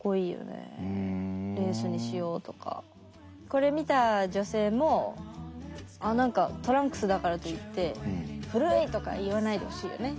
これ見た女性もあっ何かトランクスだからといって「古い」とか言わないでほしいよね。